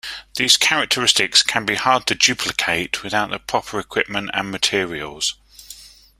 These characteristics can be hard to duplicate without the proper equipment and materials.